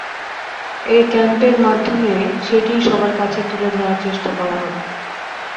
এই ক্যাম্পের মাধ্যমে সেটিই সবার কাছে তুলে ধরার চেষ্টা করা হবে।